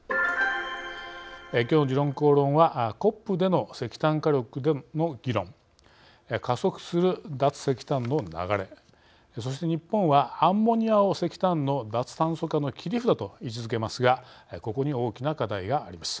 きょうの「時論公論」はＣＯＰでの石炭火力の議論加速する脱石炭の流れそして日本はアンモニアを石炭の脱炭素化の切り札と位置づけますがここに大きな課題があります。